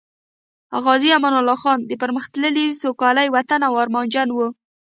غازی امان الله خان د پرمختللي، سوکالۍ وطن ارمانجن وو